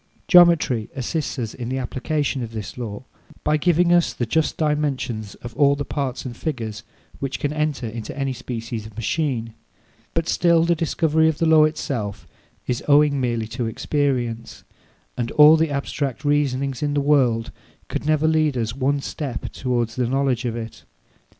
Geometry assists us in the application of this law, by giving us the just dimensions of all the parts and figures which can enter into any species of machine; but still the discovery of the law itself is owing merely to experience, and all the abstract reasonings in the world could never lead us one step towards the knowledge of it.